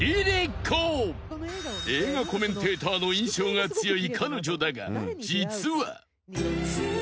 ［映画コメンテーターの印象が強い彼女だが実は］